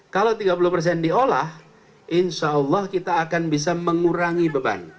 kalau tiga puluh persen diolah insya allah kita akan bisa mengurangi beban